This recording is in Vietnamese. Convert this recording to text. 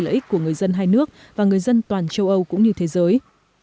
nga đã đảm bảo tất cả người dân hai nước và người dân toàn châu âu cũng như thế giới